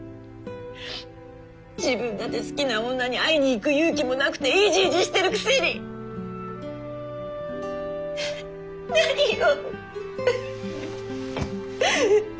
自分だって好きな女に会いに行く勇気もなくてイジイジしてるくせに！何よ。